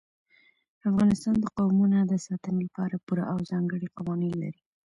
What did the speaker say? افغانستان د قومونه د ساتنې لپاره پوره او ځانګړي قوانین لري.